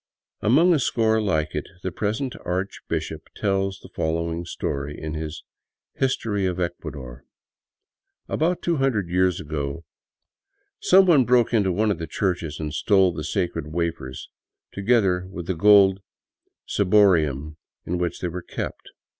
Among a score like it, the present archbishop tells the following story in his " History of Ecuador." About two hundred years ago some one broke into one of the churches and stole the sacred wafers, together with the gold ciborium in which they were kept.